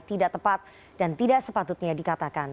tidak tepat dan tidak sepatutnya dikatakan